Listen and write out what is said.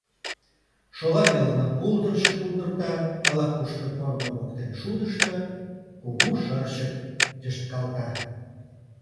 Шола велне пулдырчо пулдырта, ала-кушто, корно воктен шудышто, кугу шырчык йышткалта.